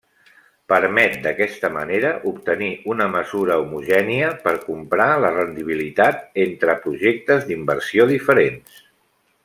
Permet d'aquesta manera obtenir una mesura homogènia per comprar la rendibilitat entre projectes d'inversió diferents.